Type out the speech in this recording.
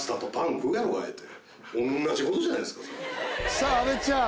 さあ阿部ちゃん